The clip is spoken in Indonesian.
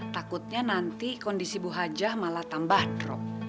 takutnya nanti kondisi bu hajah malah tambah drop